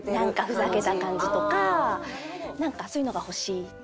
ふざけた感じとかなんかそういうのが欲しい時。